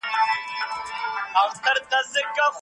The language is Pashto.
تاسو د تورو چای په څښلو بوخت یاست.